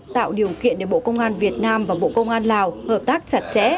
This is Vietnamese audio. tạo điều kiện để bộ công an việt nam và bộ công an lào hợp tác chặt chẽ